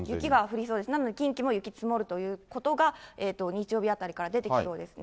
だから近畿も雪降るということが日曜日あたりから出てきそうですね。